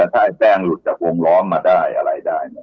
ถ้าแป้งหลุดจากวงล้อมมาได้อะไรได้